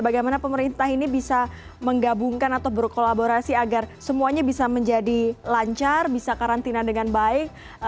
bagaimana pemerintah ini bisa menggabungkan atau berkolaborasi agar semuanya bisa menjadi lancar bisa karantina dengan baik